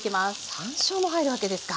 山椒も入るわけですか。